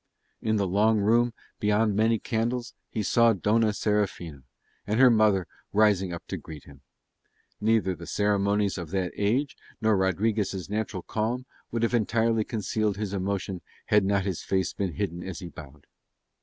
In the long room beyond many candles he saw Dona Serafina and her mother rising up to greet him. Neither the ceremonies of that age nor Rodriguez' natural calm would have entirely concealed his emotion had not his face been hidden as he bowed.